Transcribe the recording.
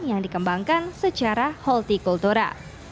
yang dikembangkan secara holti kultura